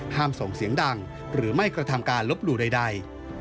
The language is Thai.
ส่งเสียงดังหรือไม่กระทำการลบหลู่ใด